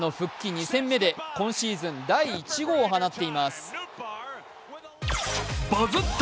２戦目で今シーズン第１号を放っています。